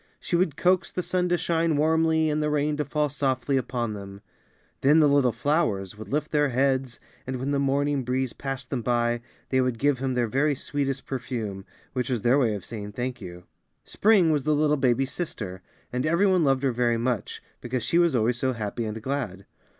She would coax the sun to shine warmly and the rain to fall softly upon them. Then the little flowers would lift their heads, and when the morning breeze passed them by, they would give him their very sweetest perfume, which was their way of saying thank you. Spring was the little baby sister, and every one loved her very much, because she was always so happy and glad.